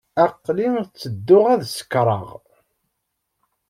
Aql-i tedduɣ ad sekṛeɣ.